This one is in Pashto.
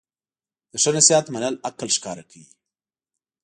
د ښه نصیحت منل عقل ښکاره کوي.